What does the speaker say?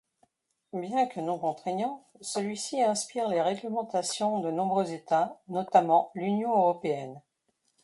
Bien que non-contraignant, celui-ci inspire les réglementations de nombreux Etats, notamment l'Union Européenne.